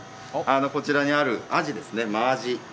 こちらにあるアジですね、マアジ、